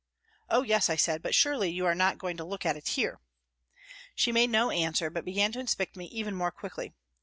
" Oh, yes," I said, " but surely you are not going to look at it here ?" She made no answer, but began to inspect me even more quickly.